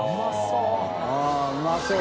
うまそう。